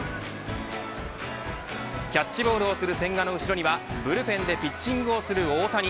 キャッチボールをする千賀の後にはブルペンでピッチングをする大谷。